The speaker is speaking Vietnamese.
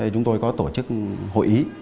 chúng tôi có tổ chức hội ý